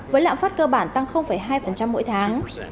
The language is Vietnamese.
với lãm phát cơ bản tăng hai mỗi tháng